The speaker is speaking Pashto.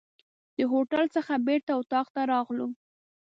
د هوټل څخه بیرته اطاق ته راغلو.